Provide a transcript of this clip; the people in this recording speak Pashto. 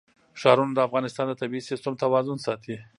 ښارونه د افغانستان د طبعي سیسټم توازن ساتي.